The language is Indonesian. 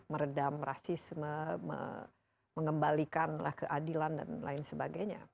meredam rasisme mengembalikan keadilan dan lain sebagainya